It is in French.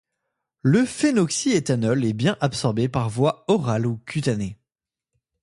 Le phénoxyéthanol est bien absorbé par voie orale ou cutanée.